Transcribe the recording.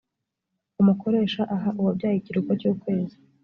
umukoresha aha uwabyaye ikiruhuko cy’ukwezi